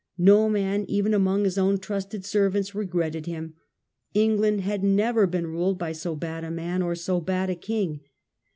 No man, even among his own trusted servants, regretted him. England had never been ruled by so bad a man, or so bad a king.